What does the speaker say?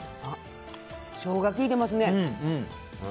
ショウガ効いてますね。